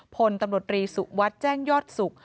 พลตำรวจรีสุวรรษแจ้งยอดสุก